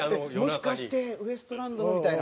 「もしかしてウエストランドの」みたいな。